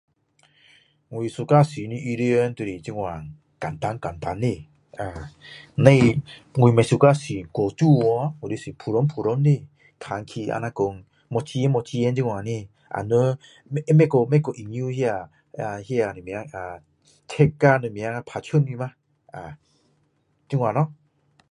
我喜欢穿的衣服就是这样简单简单的我不喜欢穿太美去喜欢穿普通普通的看起来好像没有没有钱这样人不会去引诱那个什么贼什么打枪你吗这样咯